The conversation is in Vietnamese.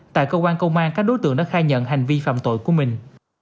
tại cơ quan công an các đối tượng đã khai nhận hành vi phạm tội của mình